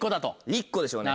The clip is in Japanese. １個でしょうね。